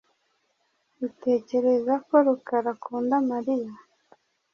Utekereza ko Rukara akunda Mariya?